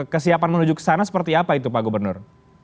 kesiapan menuju ke sana seperti apa itu pak gubernur